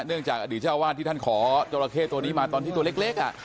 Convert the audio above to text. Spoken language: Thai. เนื่องจากอดีตเจ้าว่านที่ท่านขอละเข้ตัวนี้มาตอนที่ตัวเล็กอ่ะ